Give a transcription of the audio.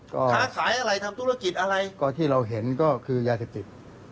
ก็ค้าขายอะไรทำธุรกิจอะไรก็ที่เราเห็นก็คือยาเสพติด